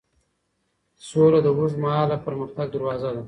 سوله د اوږدمهاله پرمختګ دروازه ده.